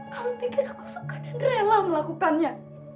kamu pikir aku suka dan rela melakukannya